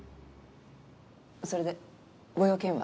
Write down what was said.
それでご用件は？